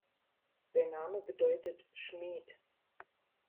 Sein Name bedeutet «Schmied».